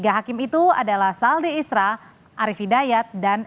tiga hakim itu adalah salde isra arief hidayat dan eni nurmah